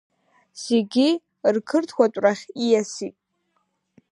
Зегьы рқырҭуатәрахь ииасит.